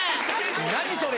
「何それ」